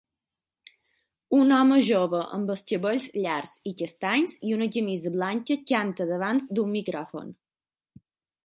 Un home jove amb els cabells llargs i castanys i una camisa blanca canta davant d'un micròfon